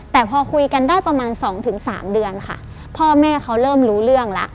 แต่พอคุยกันได้ประมาณสองถึงสามเดือนค่ะพ่อแม่เขาเริ่มรู้เรื่องแล้ว